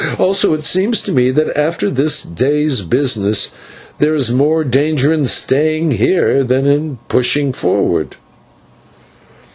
Also it seems to me that after this day's business there is more danger in staying here than in pushing forward."